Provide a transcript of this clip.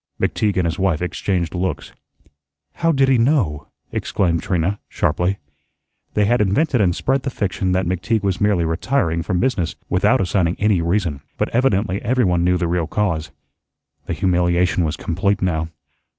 McTeague and his wife exchanged looks. "How did he know?" exclaimed Trina, sharply. They had invented and spread the fiction that McTeague was merely retiring from business, without assigning any reason. But evidently every one knew the real cause. The humiliation was complete now.